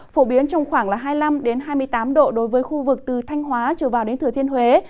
phổ biến trong khoảng hai mươi năm hai mươi tám độ đối với khu vực từ thanh hóa trở vào đến thừa thiên huế